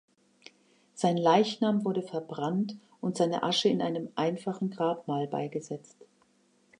Sein Leichnam wurde verbrannt und seine Asche in einem einfachen Grabmal beigesetzt.